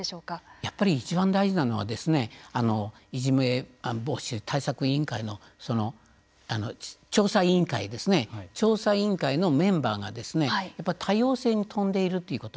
やっぱり一番大事なのはいじめ防止対策委員会の調査委員会ですね調査委員会のメンバーがやっぱり多様性に富んでいるということ。